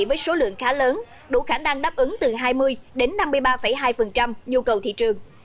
với số lượng khá lớn đủ khả năng đáp ứng từ hai mươi đến năm mươi ba hai nhu cầu thị trường